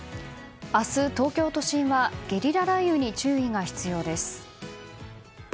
明日、東京都心はゲリラ雷雨に注意が必要です。